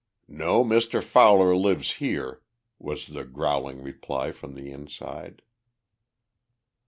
"No Mr. Fowler lives here," was the growling reply from the inside.